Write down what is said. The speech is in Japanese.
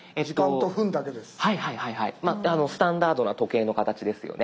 スタンダードな時計の形ですよね。